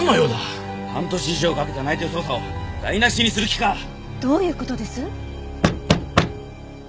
半年以上かけた内偵捜査を台無しにする気か！？どういう事です？